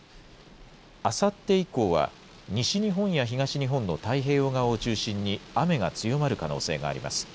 あさって以降は、西日本や東日本の太平洋側を中心に雨が強まる可能性があります。